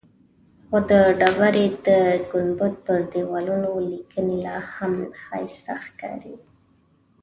خو د ډبرې د ګنبد پر دیوالونو لیکنې لاهم ښایسته ښکاري.